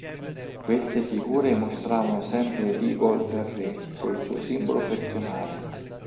Queste figure mostravano sempre l"'ibol" del re o il suo simbolo personale.